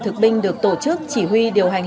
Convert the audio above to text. thực binh được tổ chức chỉ huy điều hành